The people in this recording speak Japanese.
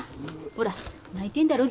ほら泣いてんだろ